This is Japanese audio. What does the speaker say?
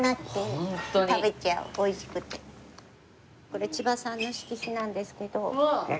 これ千葉さんの色紙なんですけど。